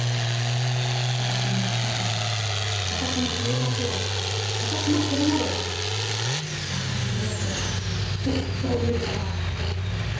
私の生き方を私の生活を私のこれまでをバカにするやつらを絶対許さない。